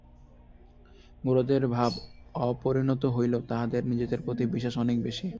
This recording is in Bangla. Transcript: গোঁড়াদের ভাব অপরিণত হইলেও তাহাদের নিজেদের প্রতি বিশ্বাস অনেক বেশী।